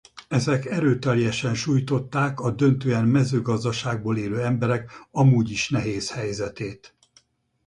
Ezek erőteljesen sújtották a döntően mezőgazdaságból élő emberek amúgy is nehéz helyzetét.